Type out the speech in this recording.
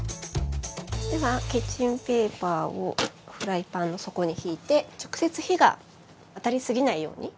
ではキッチンペーパーをフライパンの底にひいて直接火が当たりすぎないようにひいておきます。